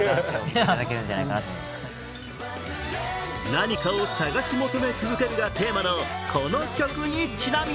何かを探し求め続けるがテーマのこの曲にちなみ